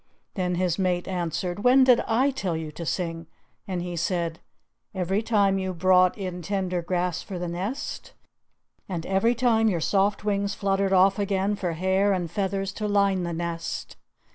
Then his mate answered, "When did I tell you to sing?" And he said, "Every time you brought in tender grass for the nest, and every time your soft wings fluttered off again for hair and feathers to line the nest."